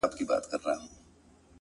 ستا مين درياب سره ياري کوي،